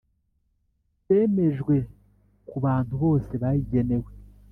byemejwe no ku bantu bose bayigenewe